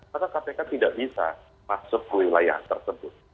maka kpk tidak bisa masuk ke wilayah tersebut